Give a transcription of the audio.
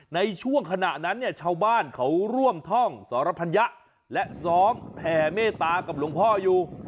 ในช่วงขณะนั้นเนี่ยชาวบ้านเขาร่วมท่องสรพัญญะและซ้อมแผ่เมตตากับหลวงพ่ออยู่